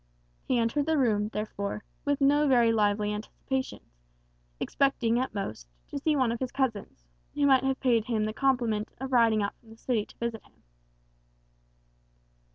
He entered the room, therefore, with no very lively anticipations; expecting, at most, to see one of his cousins, who might have paid him the compliment of riding out from the city to visit him.